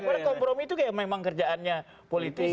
kompromi itu memang kerjaannya politisi